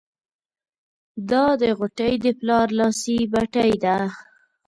دا د غوټۍ د پلار لاسي بتۍ ده.